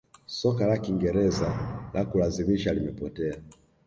soka la kingereza la kulazimisha limepotea